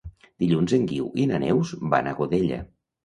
Dilluns en Guiu i na Neus van a Godella.